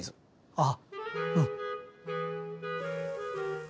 あっうん。